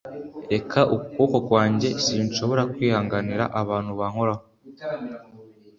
reka ukuboko kwanjye! sinshobora kwihanganira abantu bankoraho